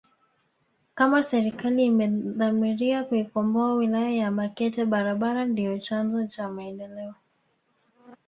Kama serikali imedhamiria kuikomboa wilaya ya Makete barabara ndio chanzo za maendeleo